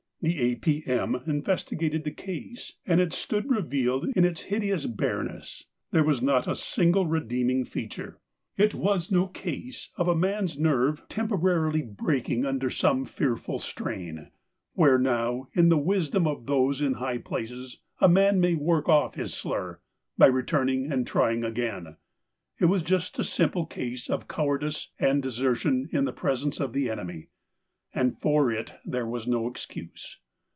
The A. P.M. investigated the case, and it stood revealed in its hideous bareness. There was not a single redeeming feature. It was no case of a man's nerve temporarily 134 THE COWARD breaking under some fearful strain : where now, in the wisdom of those in high places, a man may work off his slur, by returning and trying again. It was just a simple case of cowardice and desertion in the presence of the enemy, and for it there was no excuse.